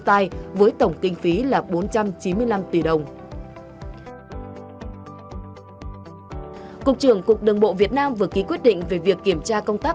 tổng cục đồng bộ việt nam vừa ký quyết định về việc kiểm tra công tác